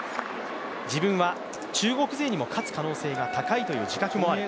自分は中国勢にも勝つ可能性が高いという自覚もある。